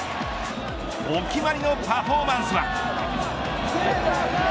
お決まりのパフォーマンスは。